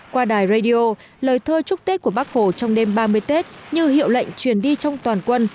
qua đài radio lời thơ chúc tết của bác hồ trong đêm ba mươi tết như hiệu lệnh truyền đi trong toàn quân